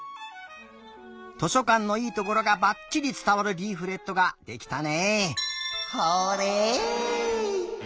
図書かんのいいところがばっちりつたわるリーフレットができたね。